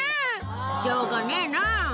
しょうがねぇなぁ。